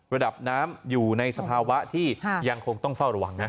ระดับน้ำอยู่ในสภาวะที่ยังคงต้องเฝ้าระวังนะ